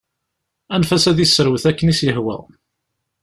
Anef-as ad iserwet akken i s-yehwa.